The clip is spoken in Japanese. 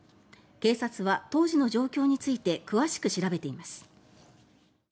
警察は当時の状況について詳しく調べています。